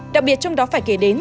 đặc biệt trong đó phải kể đến